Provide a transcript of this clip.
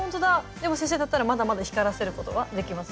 でも先生だったらまだまだ光らせることはできます？